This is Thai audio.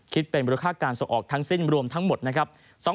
คิดเป็นมูลค่าการส่งออกทั้งสิ้นรวมทั้งหมดนะครับ